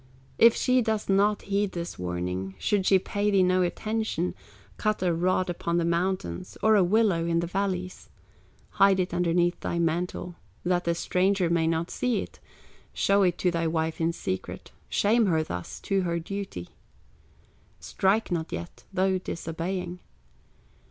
If she does not heed this warning, Should she pay thee no attention, Cut a rod upon the mountains, Or a willow in the valleys, Hide it underneath thy mantle, That the stranger may not see it, Show it to thy wife in secret, Shame her thus to do her duty, Strike not yet, though disobeying.